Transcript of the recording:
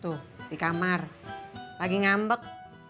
tante teman sekitar dan panggung wong arab